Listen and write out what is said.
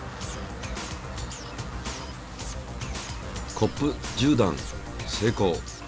コップ１０段成功。